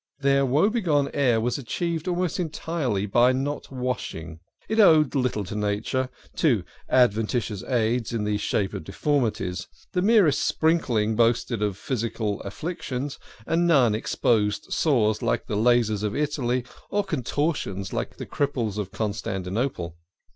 Their woebegone air was achieved almost entirely by not washing it owed little to nature, to adventitious aids in the shape of deformities. The merest sprinkling boasted of physical afflictions, and none exposed sores like the lazars of Italy or contortions like the cripples of Constantinople.